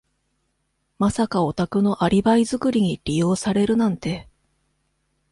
まさかお宅のアリバイ作りに利用されるなんて。